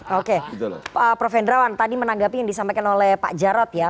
oke prof hendrawan tadi menanggapi yang disampaikan oleh pak jarod ya